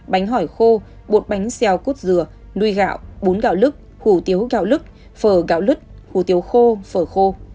bánh hỏi khô bột bánh xèo cốt dừa nuôi gạo bún gạo lứt hủ tiếu gạo lứt phở gạo lứt hủ tiếu khô phở khô